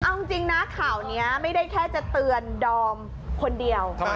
เอาจริงนะข่าวนี้ไม่ได้แค่จะเตือนดอมคนเดียว